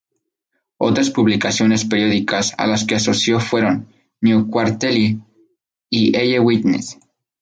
Otras publicaciones periódicas a las que se asoció fueron "New Quarterly" y "Eye Witness".